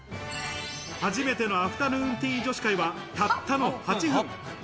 初めてのアフタヌーンティー女子会は、たったの８分。